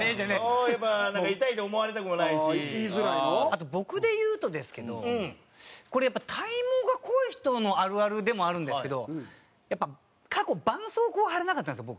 あと僕で言うとですけどこれやっぱ体毛が濃い人のあるあるでもあるんですけどやっぱ過去ばんそうこう貼れなかったんですよ